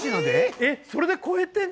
えっそれで超えてんの？